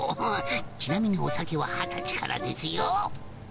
ちなみにお酒は二十歳からですよ！